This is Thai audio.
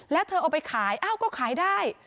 แล้วเธอเอาไปขายอ้าวก็ขายได้